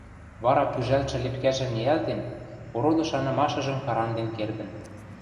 Вара пӱжӓлтшӹ лепкӓжӹм ниӓлтен, ороды шанымашыжым карангден кердӹн.